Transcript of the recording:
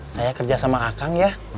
saya kerja sama akang ya